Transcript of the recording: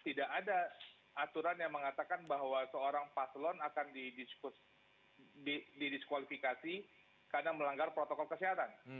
tidak ada aturan yang mengatakan bahwa seorang paslon akan didiskualifikasi karena melanggar protokol kesehatan